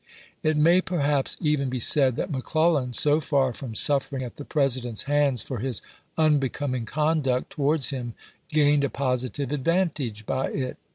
It may perhaps even be said that McClellan, so far from suffering at the President's hands for his unbecoming conduct towards him, gained a posi tive advantage by it.